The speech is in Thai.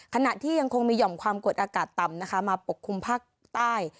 ขณะที่ยังคงมีห่อมความกดอากาศต่ำนะคะมาปกคลุมภาคใต้